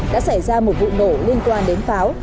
đã xảy ra một vụ nổ liên quan đến pháo